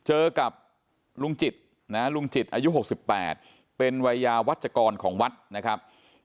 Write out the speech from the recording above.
เจอกับลุงจิตนะลุงจิตอายุ๖๘เป็นวัยยาวัชกรของวัดนะครับ